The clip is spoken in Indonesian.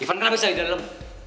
ivan kenapa bisa di dalam